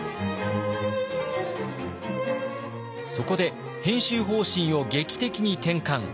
そこで編集方針を劇的に転換。